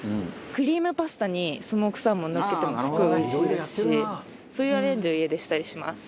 クリームパスタにスモークサーモンのっけてもすごいおいしいですしそういうアレンジを家でしたりします。